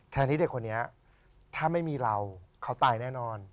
ที่เด็กคนนี้ถ้าไม่มีเราเขาตายแน่นอน